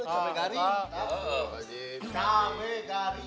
ah cabai kari